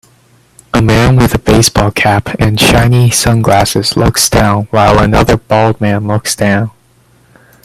A man with a baseball cap and shiny sunglasses looks down while another bald man looks down